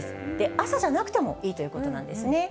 朝じゃなくてもいいということなんですね。